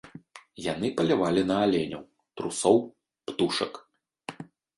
Яны палявалі на аленяў, трусоў, птушак.